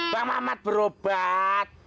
bang mamat berobat